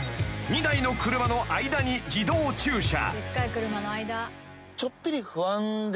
［２台の車の間に自動駐車］